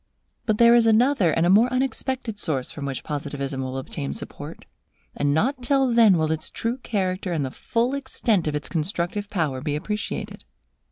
But there is another and a more unexpected source from which Positivism will obtain support; and not till then will its true character and the full extent of its constructive power be appreciated.